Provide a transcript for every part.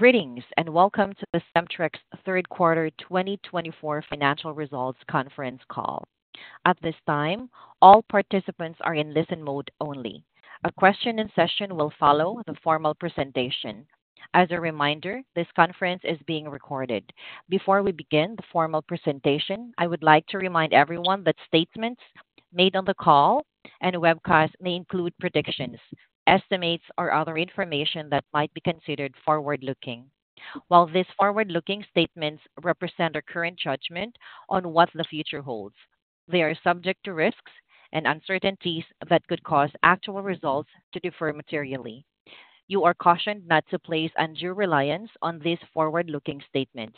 Greetings, and welcome to the Cemtrex third quarter 2024 financial results conference call. At this time, all participants are in listen mode only. A question and answer session will follow the formal presentation. As a reminder, this conference is being recorded. Before we begin the formal presentation, I would like to remind everyone that statements made on the call and webcast may include predictions, estimates or other information that might be considered forward-looking. While these forward-looking statements represent our current judgment on what the future holds, they are subject to risks and uncertainties that could cause actual results to differ materially. You are cautioned not to place undue reliance on these forward-looking statements,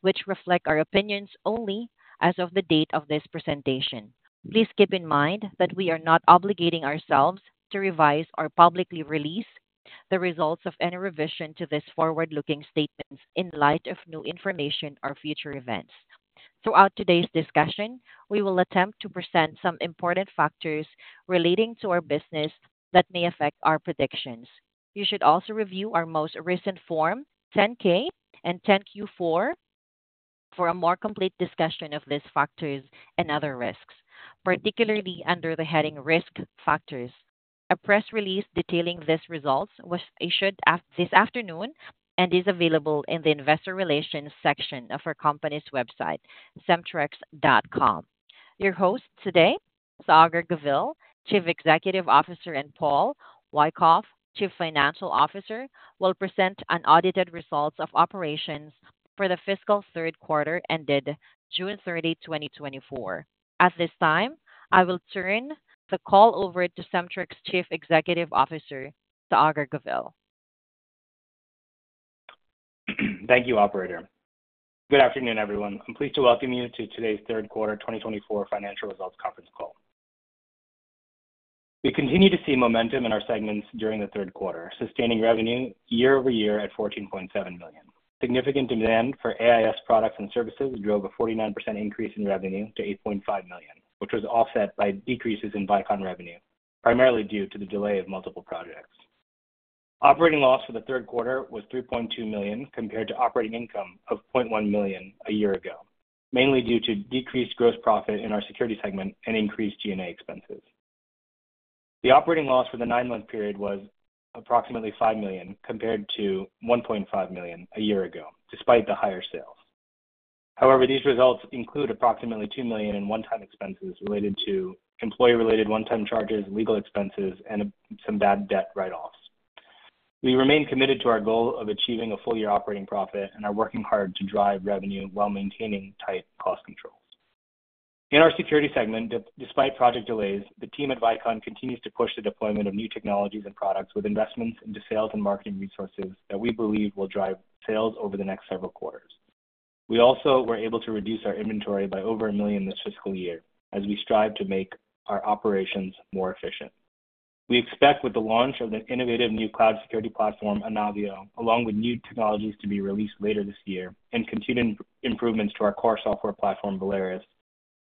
which reflect our opinions only as of the date of this presentation. Please keep in mind that we are not obligating ourselves to revise or publicly release the results of any revision to this forward-looking statements in light of new information or future events. Throughout today's discussion, we will attempt to present some important factors relating to our business that may affect our predictions. You should also review our most recent Form 10-K and 10-Q for a more complete discussion of these factors and other risks, particularly under the heading Risk Factors. A press release detailing these results was issued this afternoon and is available in the Investor Relations section of our company's website, cemtrex.com. Your host today, Saagar Govil, Chief Executive Officer, and Paul Wyckoff, Chief Financial Officer, will present unaudited results of operations for the fiscal third quarter ended June 30, 2024. At this time, I will turn the call over to Cemtrex Chief Executive Officer, Saagar Govil. Thank you, operator. Good afternoon, everyone. I'm pleased to welcome you to today's third quarter 2024 financial results conference call. We continue to see momentum in our segments during the third quarter, sustaining revenue year-over-year at $14.7 million. Significant demand for AIS products and services drove a 49% increase in revenue to $8.5 million, which was offset by decreases in Vicon revenue, primarily due to the delay of multiple projects. Operating loss for the third quarter was $3.2 million, compared to operating income of $0.1 million a year ago, mainly due to decreased gross profit in our security segment and increased SG&A expenses. The operating loss for the nine-month period was approximately $5 million, compared to $1.5 million a year ago, despite the higher sales. However, these results include approximately $2 million in one-time expenses related to employee-related one-time charges, legal expenses, and some bad debt write-offs. We remain committed to our goal of achieving a full-year operating profit and are working hard to drive revenue while maintaining tight cost controls. In our security segment, despite project delays, the team at Vicon continues to push the deployment of new technologies and products with investments into sales and marketing resources that we believe will drive sales over the next several quarters. We also were able to reduce our inventory by over $1 million this fiscal year as we strive to make our operations more efficient. We expect with the launch of the innovative new cloud security platform, Anavio, along with new technologies to be released later this year and continuing improvements to our core software platform, Valerus,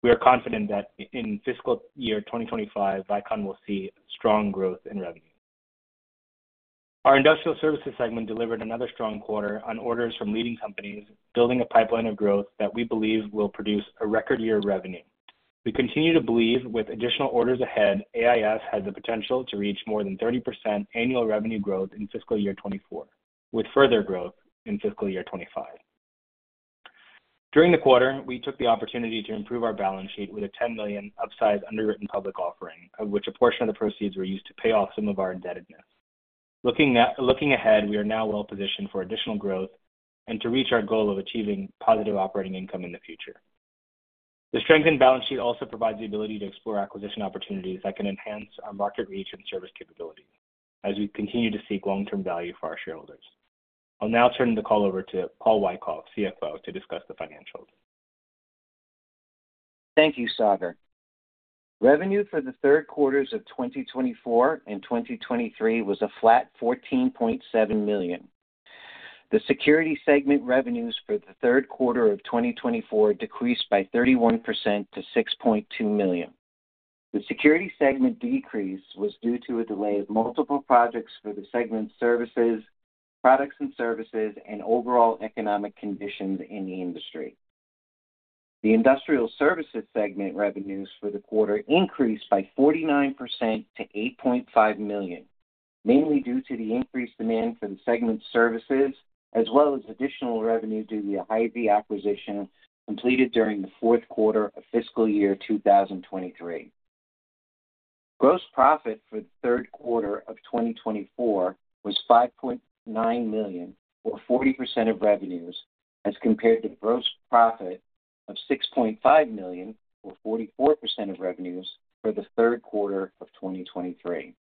we are confident that in fiscal year 2025, Vicon will see strong growth in revenue. Our industrial services segment delivered another strong quarter on orders from leading companies, building a pipeline of growth that we believe will produce a record year of revenue. We continue to believe with additional orders ahead, AIS has the potential to reach more than 30% annual revenue growth in fiscal year 2024, with further growth in fiscal year 2025. During the quarter, we took the opportunity to improve our balance sheet with a $10 million upsized underwritten public offering, of which a portion of the proceeds were used to pay off some of our indebtedness. Looking ahead, we are now well positioned for additional growth and to reach our goal of achieving positive operating income in the future. The strengthened balance sheet also provides the ability to explore acquisition opportunities that can enhance our market reach and service capability as we continue to seek long-term value for our shareholders. I'll now turn the call over to Paul Wyckoff, CFO, to discuss the financials. Thank you, Saagar. Revenue for the third quarters of 2024 and 2023 was a flat $14.7 million. The security segment revenues for the third quarter of 2024 decreased by 31% to $6.2 million. The security segment decrease was due to a delay of multiple projects for the segment's services, products and services, and overall economic conditions in the industry. The industrial services segment revenues for the quarter increased by 49% to $8.5 million, mainly due to the increased demand for the segment's services, as well as additional revenue due to the Heisey acquisition completed during the fourth quarter of fiscal year 2023. Gross profit for the third quarter of 2024 was $5.9 million, or 40% of revenues, as compared to gross profit of $6.5 million, or 44% of revenues, for the third quarter of 2023.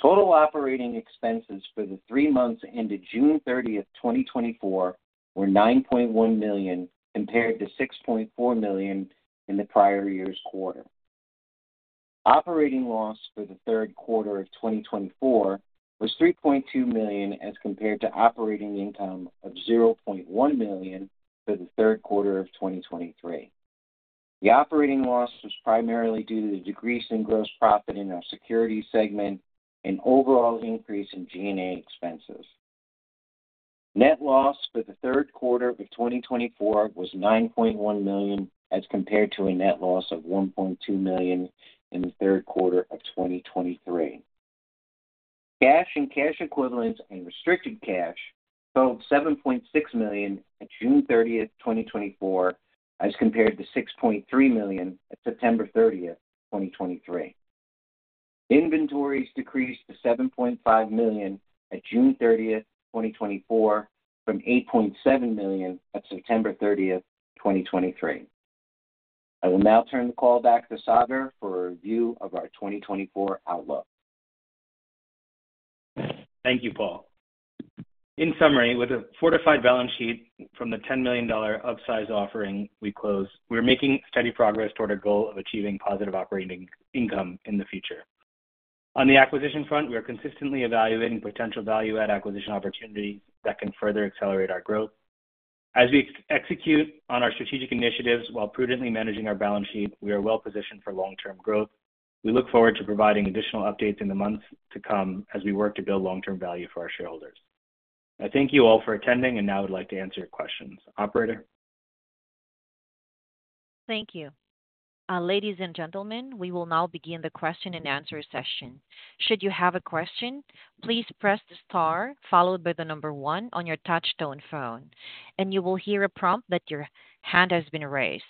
Total operating expenses for the three months ended June 30, 2024, were $9.1 million, compared to $6.4 million in the prior year's quarter. Operating loss for the third quarter of 2024 was $3.2 million, as compared to operating income of $0.1 million for the third quarter of 2023. The operating loss was primarily due to the decrease in gross profit in our security segment and overall increase in G&A expenses. Net loss for the third quarter of 2024 was $9.1 million, as compared to a net loss of $1.2 million in the third quarter of 2023. Cash and cash equivalents and restricted cash totaled $7.6 million at June 30, 2024, as compared to $6.3 million at September 30, 2023. Inventories decreased to $7.5 million at June 30, 2024, from $8.7 million at September 30, 2023. I will now turn the call back to Saagar for a review of our 2024 outlook. Thank you, Paul. In summary, with a fortified balance sheet from the $10 million upsized offering we closed, we're making steady progress toward our goal of achieving positive operating income in the future. On the acquisition front, we are consistently evaluating potential value-add acquisition opportunities that can further accelerate our growth. As we execute on our strategic initiatives while prudently managing our balance sheet, we are well positioned for long-term growth. We look forward to providing additional updates in the months to come as we work to build long-term value for our shareholders. I thank you all for attending and now I would like to answer your questions. Operator? Thank you. Ladies and gentlemen, we will now begin the question and answer session. Should you have a question, please press the star followed by the number one on your touchtone phone, and you will hear a prompt that your hand has been raised.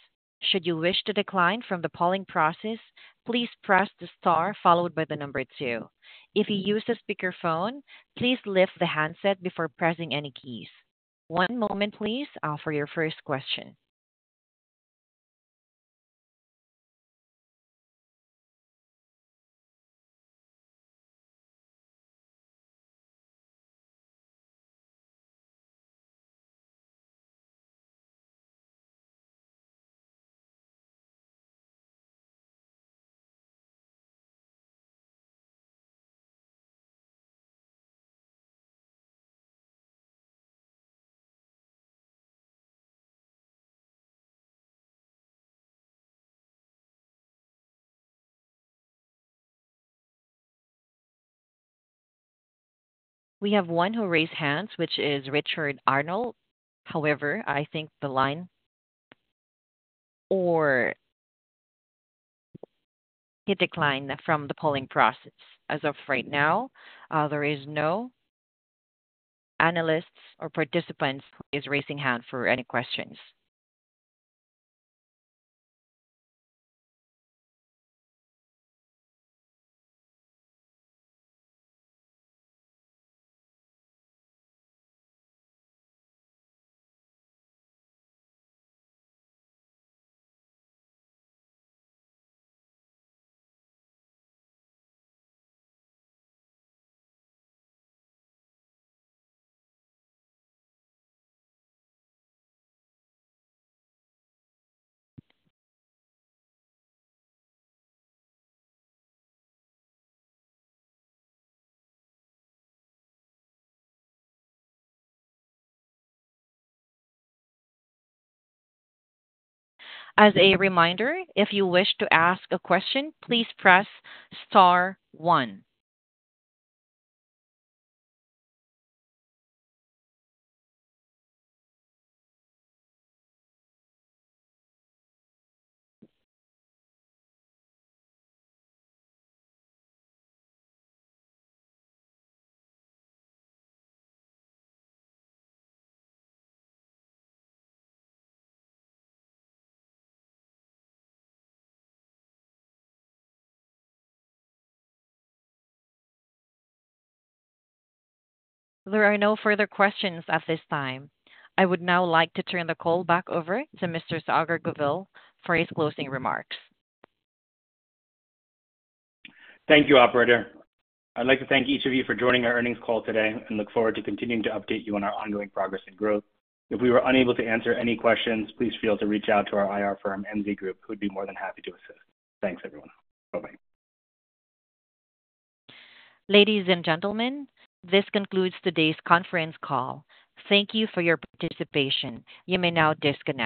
Should you wish to decline from the polling process, please press the star followed by the number two. If you use a speakerphone, please lift the handset before pressing any keys. One moment please, for your first question. We have one who raised hands, which is Richard Arnold. However, I think the line or he declined from the polling process. As of right now, there is no analysts or participants who is raising hand for any questions. As a reminder, if you wish to ask a question, please press star one. There are no further questions at this time. I would now like to turn the call back over to Mr. Saagar Govil for his closing remarks. Thank you, Operator. I'd like to thank each of you for joining our earnings call today and look forward to continuing to update you on our ongoing progress and growth. If we were unable to answer any questions, please feel free to reach out to our IR firm, MZ Group, who would be more than happy to assist. Thanks, everyone. Bye-bye. Ladies and gentlemen, this concludes today's conference call. Thank you for your participation. You may now disconnect.